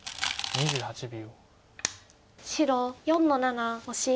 ２８秒。